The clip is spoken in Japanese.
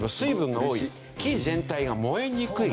木全体が燃えにくい。